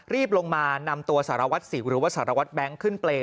รีบลงมานำตัวสารวัตรสิวหรือว่าสารวัตรแบงค์ขึ้นเปรย